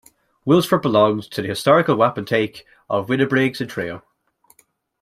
Wilsford belonged to the historical wapentake of Winnibriggs and Threo.